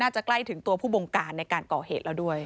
ใกล้ถึงตัวผู้บงการในการก่อเหตุแล้วด้วย